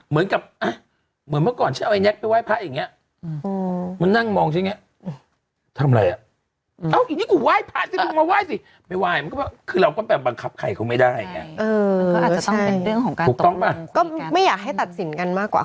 เมื่อเมื่อก่อนจะไปไว้ผ้าเงียบได้หรือไม่อยากให้ตัดสินกันมากกว่า